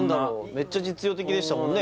メッチャ実用的でしたもんね